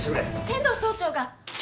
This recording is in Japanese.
天堂総長が。